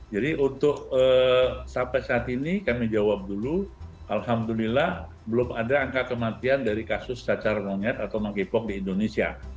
untuk sampai saat ini kami jawab dulu alhamdulillah belum ada angka kematian dari kasus cacar monyet atau monkeypox di indonesia